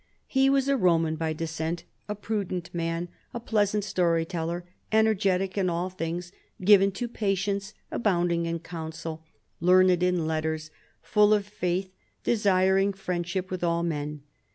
He was a Roman by descent, a prudent man, a pleasant story teller, energetic in all things, given to patience, abounding in counsel, learned in letters, full of faith, desiring friendship Avith all men.